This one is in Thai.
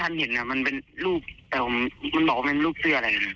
แต่บอกว่าเป็นรูปเสื้ออะไร